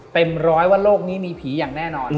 เต็มร้อยว่าโลกนี้มีผีอย่างแน่นอน